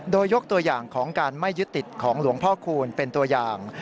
โดยยกตัวอย่างของการไม่ยึดติดของหลวงพ่อคูณเป็นตัวอย่าง